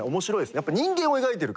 やっぱ人間を描いてるから。